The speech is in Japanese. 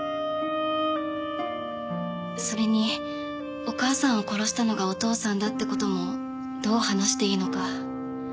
それにお母さんを殺したのがお父さんだって事もどう話していいのか。